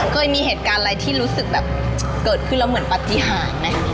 เคยมีเหตุการณ์อะไรที่รู้สึกแบบเกิดขึ้นแล้วเหมือนปฏิหารไหม